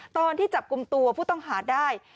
ตอนที่จับกลุ่มตัวผู้ต้องหาได้